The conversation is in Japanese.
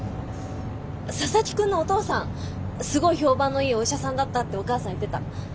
佐々木くんのお父さんすごい評判のいいお医者さんだったってお母さん言ってた。